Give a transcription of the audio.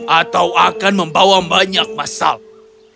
atau akan membawa banyak masalah